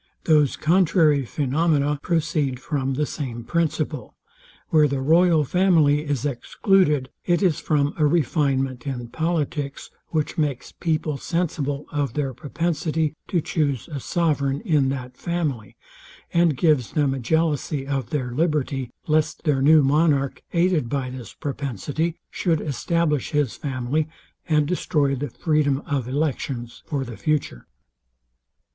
Those contrary phaenomena proceed from the same principle. Where the royal family is excluded, it is from a refinement in politics, which makes people sensible of their propensity to chuse a sovereign in that family, and gives them a jealousy of their liberty, lest their new monarch, aided by this propensity, should establish his family, and destroy the freedom of elections for the future.